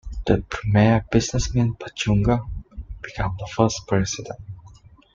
The premier businessman Pachhunga became the first President.